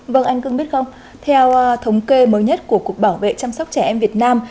vâng anh cương biết không theo thống kê mới nhất của cục bảo vệ chăm sóc trẻ em việt nam